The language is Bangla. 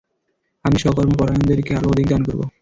আমি সকর্মপরায়ণদেরকে আরও অধিক দান করব।